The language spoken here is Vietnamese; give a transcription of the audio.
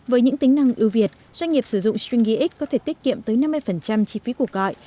với những tính năng ưu việt doanh nghiệp sử dụng stringyx có thể tiết kiệm tới năm mươi chi phí của gọi